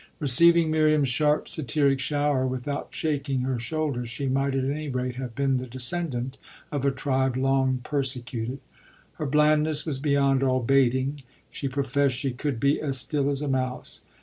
Receiving Miriam's sharp, satiric shower without shaking her shoulders she might at any rate have been the descendant of a tribe long persecuted. Her blandness was beyond all baiting; she professed she could be as still as a mouse.